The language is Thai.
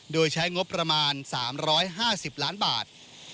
โดยใช้งบประมาณ๓๕๐ล้านบาท